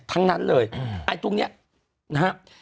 ทั้งนั้นเลยไอตรงเนี่ยนะฮะ